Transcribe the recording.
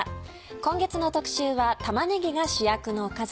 今月の特集は「玉ねぎが主役のおかず」。